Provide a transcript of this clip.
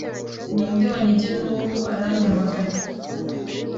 Ninde wanyibye nubu aranyamaganye